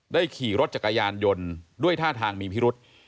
ขี่รถจักรยานยนต์ด้วยท่าทางมีพิรุษ